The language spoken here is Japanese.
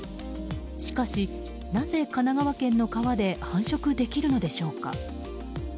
しかし、なぜ神奈川県の川で繁殖できるのでしょうか。